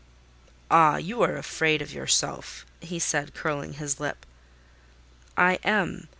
"Ah! you are afraid of yourself," he said, curling his lip. "I am.